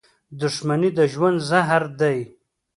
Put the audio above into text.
• دښمني د ژوند زهر دي.